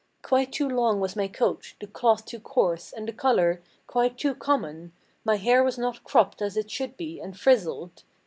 Quite too long was my coat, the cloth too coarse, and the color Quite too common; my hair was not cropped, as it should be, and frizzled.